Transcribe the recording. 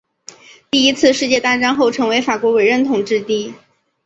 第一次世界大战后成为法国委任统治地。